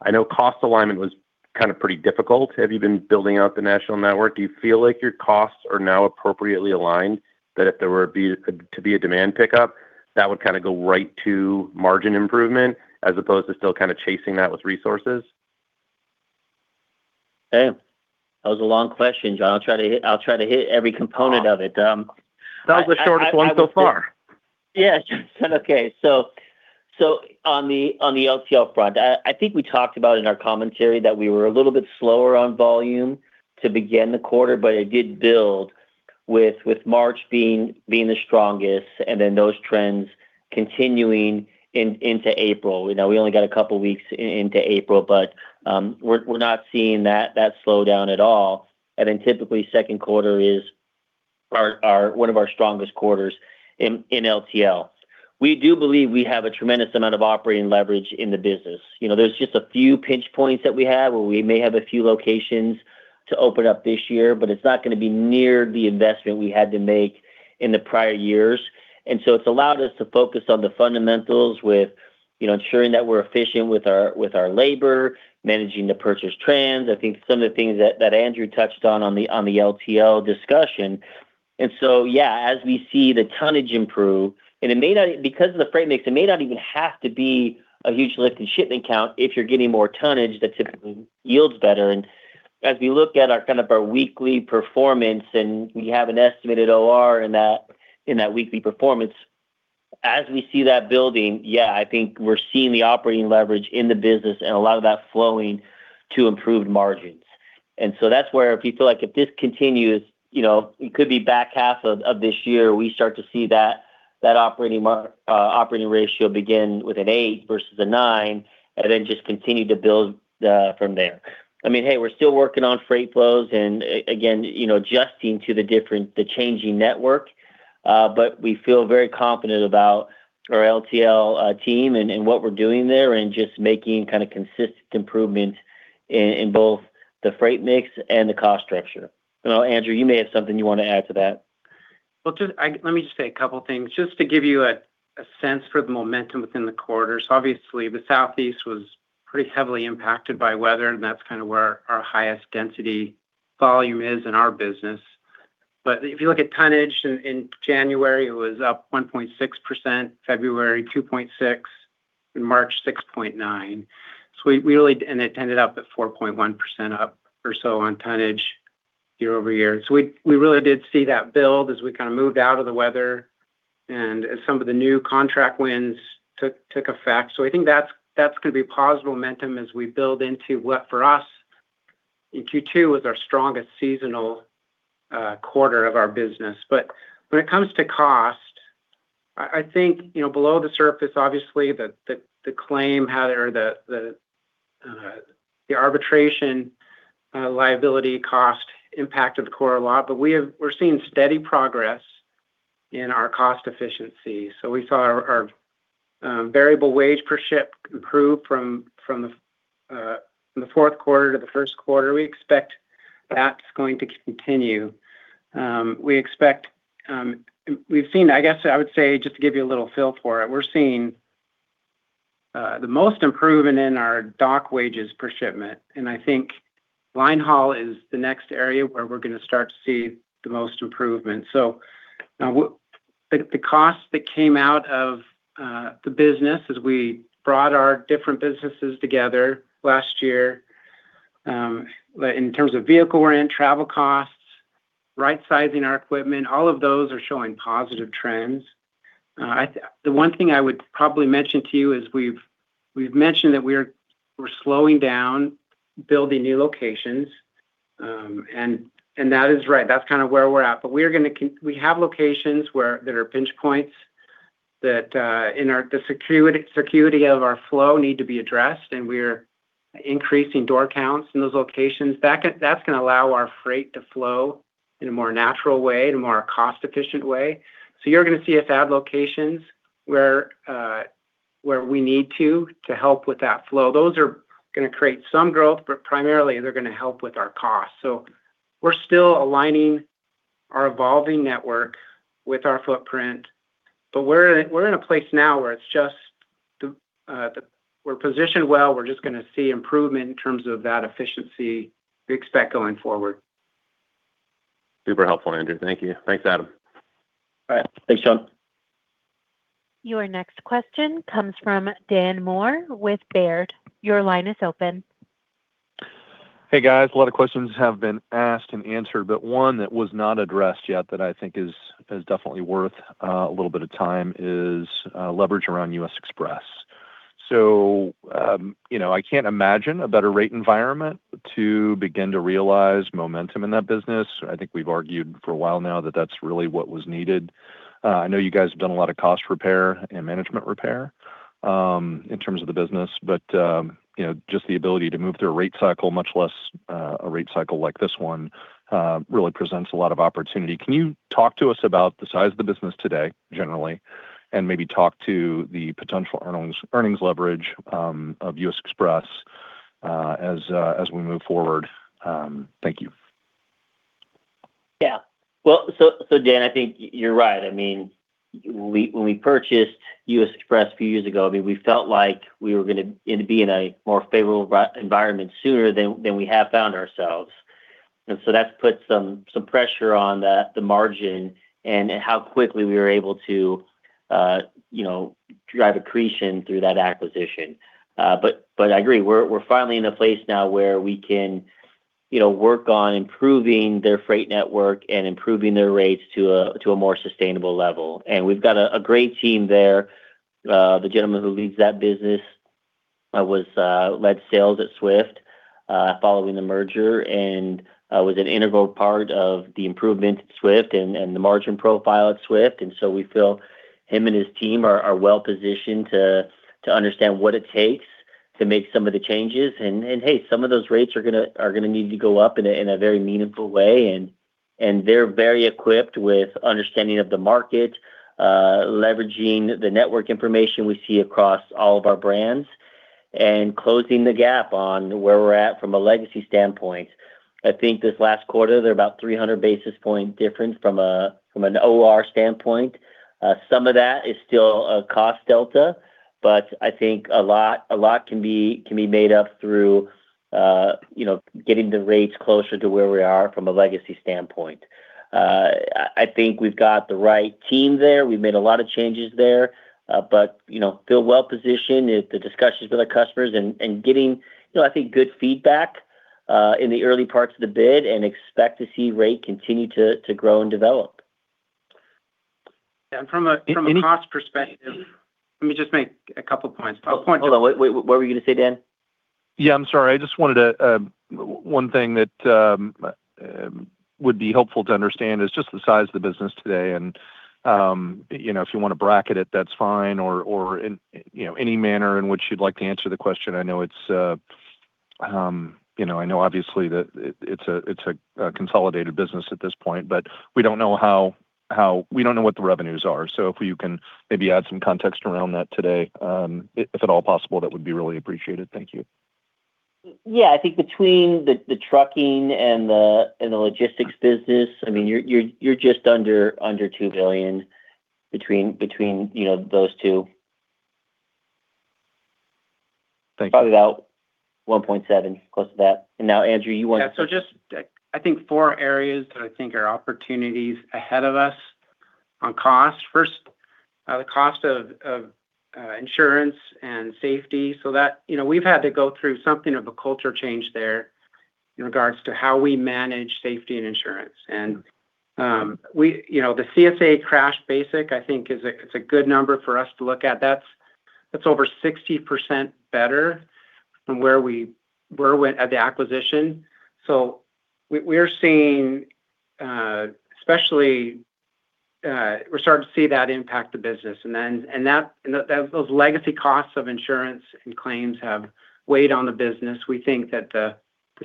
Speaker 10: I know cost alignment was kind of pretty difficult. Have you been building out the national network? Do you feel like your costs are now appropriately aligned that if there were to be a demand pickup, that would go right to margin improvement as opposed to still kind of chasing that with resources?
Speaker 3: Damn. That was a long question, Jon. I'll try to hit every component of it.
Speaker 10: That was the shortest one so far.
Speaker 3: Yeah. Okay. On the LTL front, I think we talked about in our commentary that we were a little bit slower on volume to begin the quarter, but it did build with March being the strongest, and then those trends continuing into April. We only got a couple weeks into April, but we're not seeing that slowdown at all. Typically Q2 is one of our strongest quarters in LTL. We do believe we have a tremendous amount of operating leverage in the business. There's just a few pinch points that we have where we may have a few locations to open up this year, but it's not going to be near the investment we had to make in the prior years. It's allowed us to focus on the fundamentals with ensuring that we're efficient with our labor, managing the purchase trends. I think some of the things that Andrew touched on the LTL discussion. Yeah, as we see the tonnage improve, and because of the freight mix, it may not even have to be a huge lift in shipment count if you're getting more tonnage, that typically yields better. As we look at our weekly performance, and we have an estimated OR in that weekly performance, as we see that building, yeah, I think we're seeing the operating leverage in the business and a lot of that flowing to improved margins. That's where if you feel like if this continues, it could be back half of this year, we start to see that operating ratio begin with an eight versus a nine, and then just continue to build from there. Hey, we're still working on freight flows, and again, adjusting to the changing network, but we feel very confident about our LTL team and what we're doing there and just making consistent improvement in both the freight mix and the cost structure. I know, Andrew, you may have something you want to add to that.
Speaker 4: Well, let me just say a couple things just to give you a sense for the momentum within the quarter. Obviously the Southeast was pretty heavily impacted by weather, and that's kind of where our highest density volume is in our business. If you look at tonnage in January, it was up 1.6%, February 2.6%, in March 6.9%. It ended up at 4.1% up or so on tonnage year-over-year. We really did see that build as we moved out of the weather and as some of the new contract wins took effect. I think that's going to be positive momentum as we build into what, for us, Q2 was our strongest seasonal quarter of our business. When it comes to cost, I think, below the surface, obviously, the claim or the arbitration liability cost impacted the quarter a lot. We're seeing steady progress in our cost efficiency. We saw our variable wage per ship improve from the Q4 to the Q1. We expect that's going to continue. I guess I would say, just to give you a little feel for it, we're seeing the most improvement in our dock wages per shipment, and I think line haul is the next area where we're going to start to see the most improvement. The cost that came out of the business as we brought our different businesses together last year, in terms of vehicle rent, travel costs, right sizing our equipment, all of those are showing positive trends. The one thing I would probably mention to you is we've mentioned that we're slowing down building new locations, and that is right. That's kind of where we're at. We have locations that are pinch points that the security of our flow need to be addressed, and we're increasing door counts in those locations. That's going to allow our freight to flow in a more natural way, in a more cost-efficient way. You're going to see us add locations where we need to help with that flow. Those are going to create some growth, but primarily they're going to help with our costs. We're still aligning our evolving network with our footprint, but we're in a place now where we're positioned well. We're just going to see improvement in terms of that efficiency we expect going forward.
Speaker 10: Super helpful, Andrew. Thank you. Thanks, Adam.
Speaker 3: All right. Thanks, Jon.
Speaker 1: Your next question comes from Dan Moore with Baird. Your line is open.
Speaker 11: Hey, guys. A lot of questions have been asked and answered, but one that was not addressed yet that I think is definitely worth a little bit of time is leverage around U.S. Xpress. So, I can't imagine a better rate environment to begin to realize momentum in that business. I think we've argued for a while now that that's really what was needed. I know you guys have done a lot of cost repair and management repair, in terms of the business. But just the ability to move through a rate cycle, much less a rate cycle like this one, really presents a lot of opportunity. Can you talk to us about the size of the business today, generally, and maybe talk to the potential earnings leverage of U.S. Xpress as we move forward? Thank you.
Speaker 3: Yeah. Well, Dan, I think you're right. When we purchased U.S. Xpress a few years ago, we felt like we were going to be in a more favorable environment sooner than we have found ourselves. That's put some pressure on the margin and how quickly we were able to drive accretion through that acquisition. I agree, we're finally in a place now where we can work on improving their freight network and improving their rates to a more sustainable level. We've got a great team there. The gentleman who leads that business led sales at Swift following the merger and was an integral part of the improvement at Swift and the margin profile at Swift. We feel him and his team are well-positioned to understand what it takes to make some of the changes. Hey, some of those rates are going to need to go up in a very meaningful way. They're very equipped with understanding of the market, leveraging the network information we see across all of our brands, and closing the gap on where we're at from a legacy standpoint. I think this last quarter, there are about 300 basis points difference from an OR standpoint. Some of that is still a cost delta, but I think a lot can be made up through getting the rates closer to where we are from a legacy standpoint. I think we've got the right team there. We've made a lot of changes there. We feel well-positioned in the discussions with our customers and getting good feedback in the early parts of the bid, and expect to see rates continue to grow and develop.
Speaker 4: From a cost perspective, let me just make a couple points.
Speaker 3: Hold on. What were you going to say, Dan?
Speaker 11: Yeah, I'm sorry. One thing that would be helpful to understand is just the size of the business today, and if you want to bracket it, that's fine, or any manner in which you'd like to answer the question. I know obviously that it's a consolidated business at this point, but we don't know what the revenues are. If you can maybe add some context around that today, if at all possible, that would be really appreciated. Thank you.
Speaker 3: Yeah. I think between the trucking and the logistics business, you're just under $2 billion between those two.
Speaker 11: Thank you.
Speaker 3: Probably about 1.7, close to that. Now Andrew, you want to.
Speaker 4: Yeah. Just four areas that I think are opportunities ahead of us on cost. First, the cost of insurance and safety. We've had to go through something of a culture change there in regards to how we manage safety and insurance. The CSA Crash BASIC, I think is a good number for us to look at. That's over 60% better from where we were at the acquisition. We're starting to see that impact the business. Those legacy costs of insurance and claims have weighed on the business. We think that the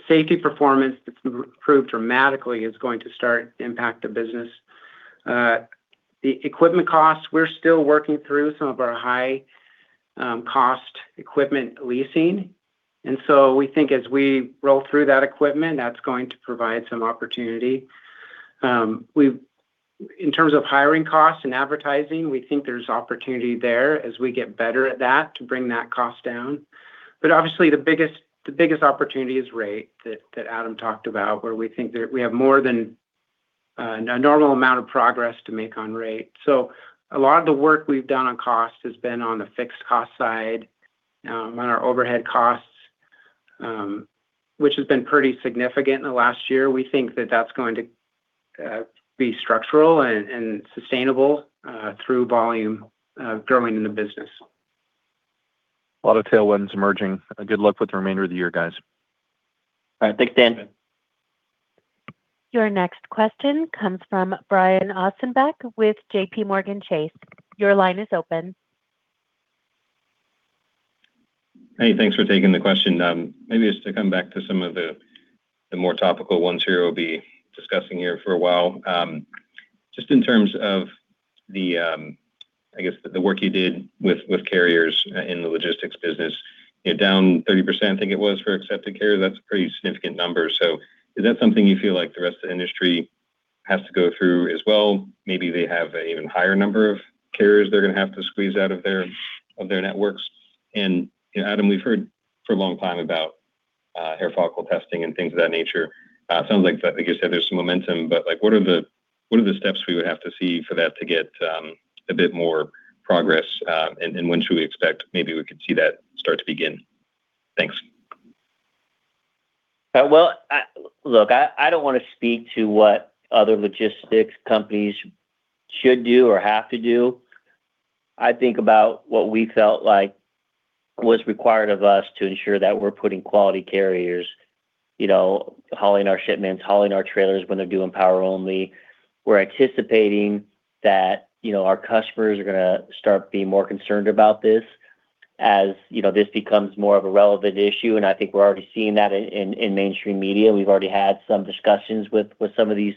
Speaker 4: safety performance that's improved dramatically is going to start to impact the business. The equipment costs, we're still working through some of our high cost equipment leasing. We think as we roll through that equipment, that's going to provide some opportunity. In terms of hiring costs and advertising, we think there's opportunity there as we get better at that to bring that cost down. Obviously the biggest opportunity is rate, that Adam talked about, where we think that we have more than a normal amount of progress to make on rate. A lot of the work we've done on cost has been on the fixed cost side, on our overhead costs, which has been pretty significant in the last year. We think that that's going to be structural and sustainable through volume growing in the business.
Speaker 11: A lot of tailwinds emerging. Good luck with the remainder of the year, guys.
Speaker 3: All right. Thanks, Dan.
Speaker 1: Your next question comes from Brian Ossenbeck with JPMorgan Chase. Your line is open.
Speaker 12: Hey, thanks for taking the question. Maybe just to come back to some of the more topical ones here we'll be discussing here for a while. Just in terms of the work you did with carriers in the logistics business, down 30%, I think it was, for accepted carriers. That's a pretty significant number. Is that something you feel like the rest of the industry has to go through as well? Maybe they have an even higher number of carriers they're going to have to squeeze out of their networks. Adam, we've heard for a long time about hair follicle testing and things of that nature. It sounds like you said, there's some momentum, but what are the steps we would have to see for that to get a bit more progress? When should we expect maybe we could see that start to begin? Thanks.
Speaker 3: Well, look, I don't want to speak to what other logistics companies should do or have to do. I think about what we felt like was required of us to ensure that we're putting quality carriers, hauling our shipments, hauling our trailers when they're doing power only. We're anticipating that our customers are going to start being more concerned about this as this becomes more of a relevant issue, and I think we're already seeing that in mainstream media. We've already had some discussions with some of these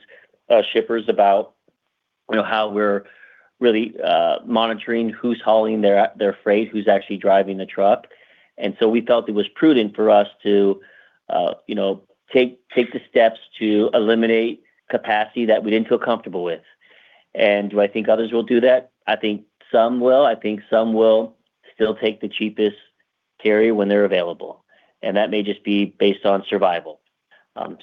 Speaker 3: shippers about how we're really monitoring who's hauling their freight, who's actually driving the truck. We felt it was prudent for us to take the steps to eliminate capacity that we didn't feel comfortable with. Do I think others will do that? I think some will. I think some will still take the cheapest carrier when they're available, and that may just be based on survival. I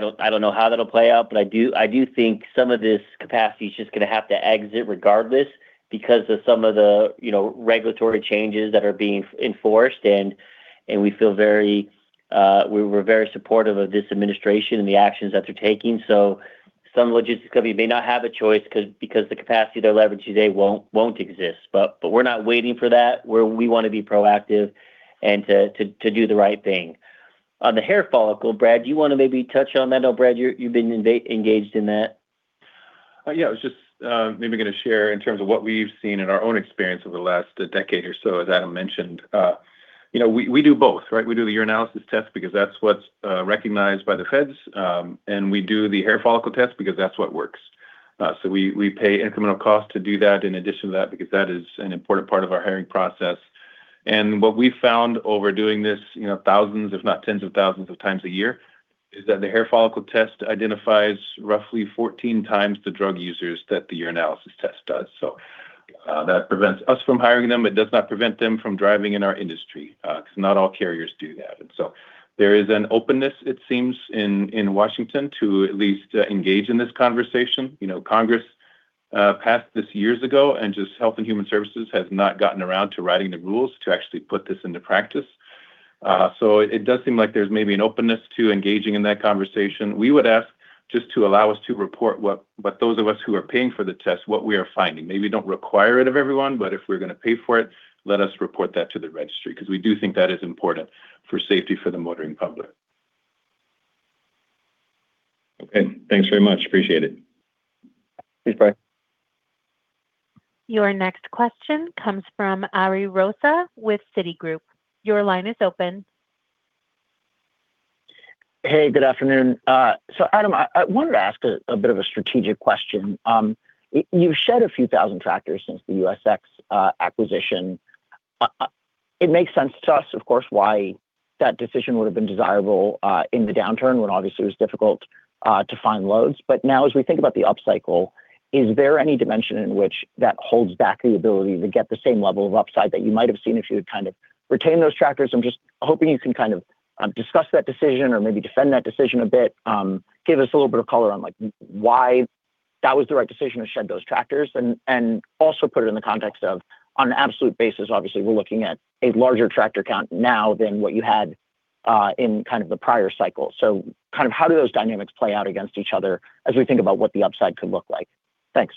Speaker 3: don't know how that'll play out, but I do think some of this capacity is just going to have to exit regardless because of some of the regulatory changes that are being enforced, and we were very supportive of this administration and the actions that they're taking. Some logistics company may not have a choice because the capacity they're leveraging today won't exist. We're not waiting for that. We want to be proactive and to do the right thing. On the hair follicle, Brad, do you want to maybe touch on that at all, Brad? You've been engaged in that.
Speaker 2: Yeah, I was just maybe going to share in terms of what we've seen in our own experience over the last decade or so, as Adam mentioned. We do both, right? We do the urinalysis test because that's what's recognized by the feds, and we do the hair follicle test because that's what works. We pay incremental costs to do that in addition to that, because that is an important part of our hiring process. What we've found over doing this thousands, if not tens of thousands of times a year, is that the hair follicle test identifies roughly 14 times the drug users that the urinalysis test does. That prevents us from hiring them. It does not prevent them from driving in our industry because not all carriers do that. There is an openness, it seems, in Washington to at least engage in this conversation. Congress passed this years ago, and just Health and Human Services has not gotten around to writing the rules to actually put this into practice. It does seem like there's maybe an openness to engaging in that conversation. We would ask just to allow us to report what those of us who are paying for the test, what we are finding. Maybe don't require it of everyone, but if we're going to pay for it, let us report that to the registry, because we do think that is important for safety for the motoring public.
Speaker 12: Okay. Thanks very much. Appreciate it.
Speaker 3: Thanks, Brad.
Speaker 1: Your next question comes from Ari Rosa with Citigroup. Your line is open.
Speaker 13: Hey, good afternoon. Adam, I wanted to ask a bit of a strategic question. You've shed a few thousand tractors since the USX acquisition. It makes sense to us, of course, why that decision would have been desirable in the downturn when obviously it was difficult to find loads. But now as we think about the upcycle, is there any dimension in which that holds back the ability to get the same level of upside that you might have seen if you had kind of retained those tractors? I'm just hoping you can kind of discuss that decision or maybe defend that decision a bit. Give us a little bit of color on why that was the right decision to shed those tractors. Also put it in the context of, on an absolute basis, obviously, we're looking at a larger tractor count now than what you had in kind of the prior cycle. How do those dynamics play out against each other as we think about what the upside could look like? Thanks.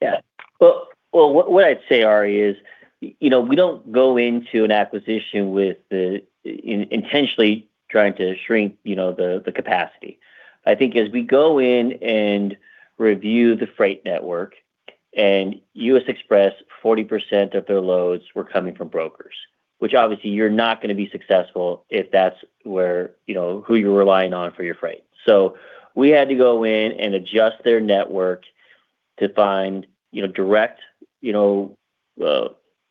Speaker 3: Yeah. Well, what I'd say, Ari, is we don't go into an acquisition with intentionally trying to shrink the capacity. I think as we go in and review the freight network, and U.S. Xpress, 40% of their loads were coming from brokers, which obviously you're not going to be successful if that's who you're relying on for your freight. We had to go in and adjust their network to find direct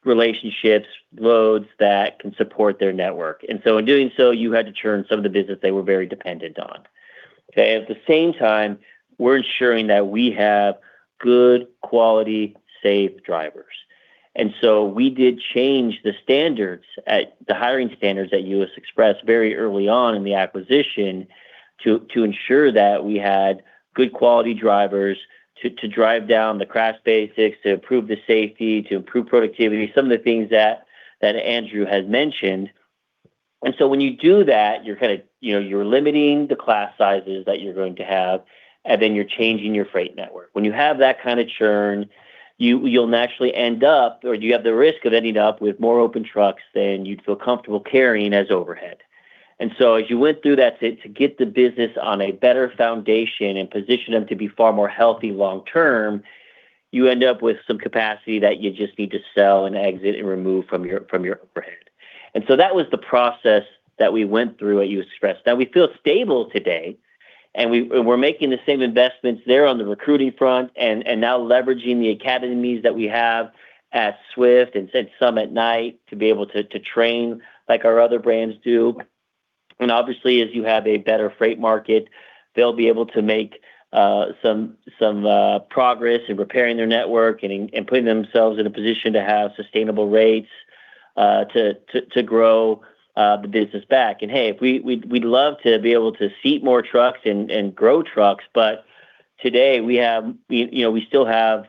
Speaker 3: relationships, loads that can support their network. In doing so, you had to churn some of the business they were very dependent on. Okay? At the same time, we're ensuring that we have good quality, safe drivers. We did change the hiring standards at U.S. Xpress very early on in the acquisition to ensure that we had good quality drivers to drive down the crash basics, to improve the safety, to improve productivity, some of the things that Andrew has mentioned. When you do that, you're limiting the class sizes that you're going to have, and then you're changing your freight network. When you have that kind of churn, you'll naturally end up, or you have the risk of ending up with more open trucks than you'd feel comfortable carrying as overhead. As you went through that to get the business on a better foundation and position them to be far more healthy long term, you end up with some capacity that you just need to sell and exit and remove from your overhead. That was the process that we went through at U.S. Xpress. Now we feel stable today, and we're making the same investments there on the recruiting front and now leveraging the academies that we have at Swift and some at Knight to be able to train like our other brands do. Obviously, as you have a better freight market, they'll be able to make some progress in repairing their network and putting themselves in a position to have sustainable rates to grow the business back. Hey, we'd love to be able to seat more trucks and grow trucks, but today we still have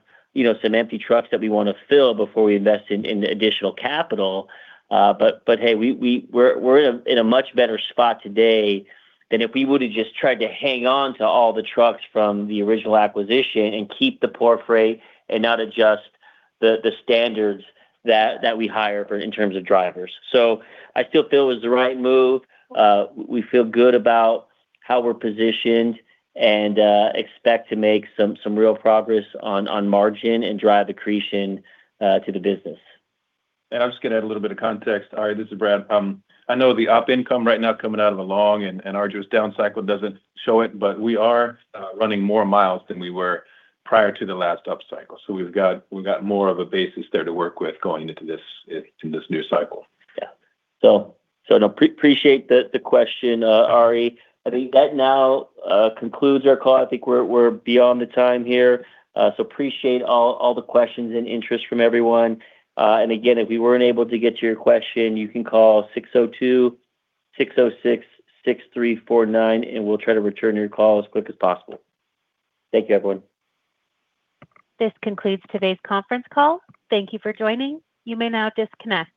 Speaker 3: some empty trucks that we want to fill before we invest in additional capital. Hey, we're in a much better spot today than if we would have just tried to hang on to all the trucks from the original acquisition and keep the poor freight and not adjust the standards that we hire for in terms of drivers. I still feel it was the right move. We feel good about how we're positioned and expect to make some real progress on margin and drive accretion to the business.
Speaker 2: I'm just going to add a little bit of context. Ari, this is Brad. I know the op income right now coming out of the long and arduous down cycle doesn't show it, but we are running more miles than we were prior to the last upcycle. We've got more of a basis there to work with going into this new cycle.
Speaker 3: Yeah. No, appreciate the question, Ari. I think that now concludes our call. I think we're beyond the time here. Appreciate all the questions and interest from everyone. Again, if we weren't able to get to your question, you can call 602-606-6349, and we'll try to return your call as quick as possible. Thank you, everyone.
Speaker 1: This concludes today's conference call. Thank you for joining. You may now disconnect.